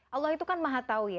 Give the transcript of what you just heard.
allah itu kan maha tahu ya